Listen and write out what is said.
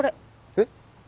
えっ？